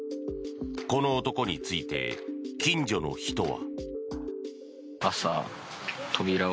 この男について近所の人は。